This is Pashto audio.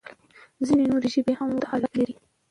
ځينې نورې ژبې هم ورته حالت لري.